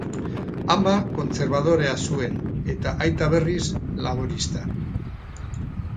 Ama kontserbadorea zuen eta aita, berriz, laborista.